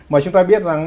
mà chúng ta biết rằng